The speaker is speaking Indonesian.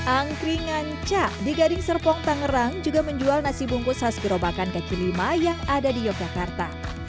angkringan ca di gading serpong tangerang juga menjual nasi bungkus khas gerobakan kaki lima yang ada di yogyakarta